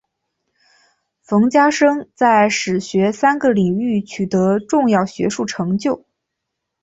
冯家升在史学三个领域取得重要学术成就。